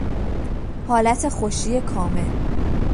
حالت خوشی کامل